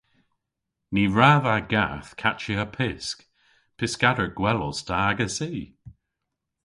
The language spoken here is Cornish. Ny wra dha gath kachya pysk. Pyskador gwell os ta agessi!